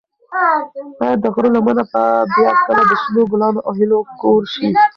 ایا د غره لمنه به بیا کله د شنو ګلانو او هیلو کور شي؟